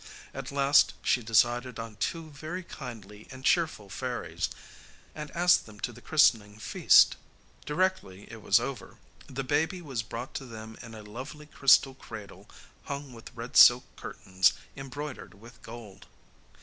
At last she decided on two very kindly and cheerful fairies, and asked them to the christening feast. Directly it was over the baby was brought to them in a lovely crystal cradle hung with red silk curtains embroidered with gold.